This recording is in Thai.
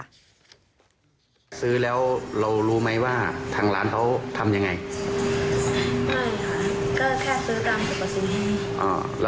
อันนี้รับของขวัญก็ยังไงครับ